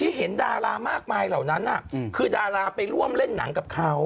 เห็นดารามากมายเหล่านั้นคือดาราไปร่วมเล่นหนังกับเขา